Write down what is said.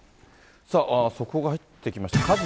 さあ、速報が入ってきました。